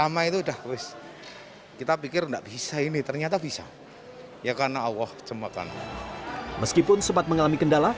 meskipun sempat mengalami kendala